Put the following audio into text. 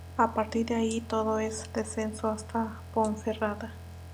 A partir de allí, todo en descenso hasta Ponferrada.